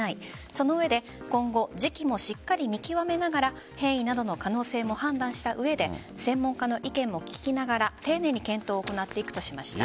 その上で今後、時期もしっかり見極めながら判断した上で専門家の意見も聞きながら丁寧に検討を行っていくとしました。